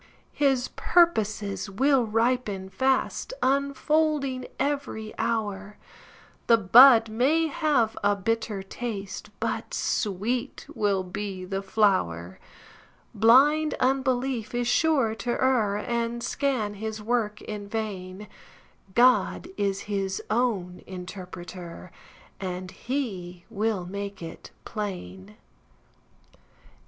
His purposes will ripen fast, Unfolding every hour; The bud may have a bitter taste, But sweet will be the flower. Blind unbelief is sure to err, And scan his work in vain; God is his own interpreter, And he will make it plain.